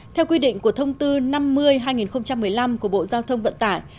theo quy định của thông tư năm mươi hai nghìn một mươi năm của bộ giao thông vận tải